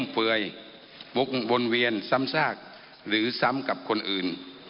เปลือยวกวนเวียนซ้ำซากหรือซ้ำกับคนอื่น